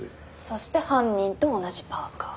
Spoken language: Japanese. そして犯人と同じパーカ。